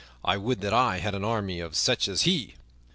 I would that I had an army of such as he."